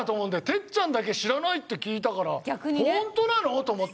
哲ちゃんだけ知らないって聞いたからホントなの！？と思って。